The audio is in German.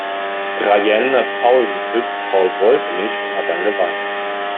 Rayen hat Paul geküsst, Paul wollte nicht und hat dann geweint.